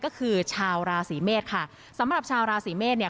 ก็คือชาวราศีเมษค่ะสำหรับชาวราศีเมษเนี่ย